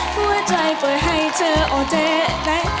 หัวใจเปิดให้เจออ่อเจ๊ไอ้ใน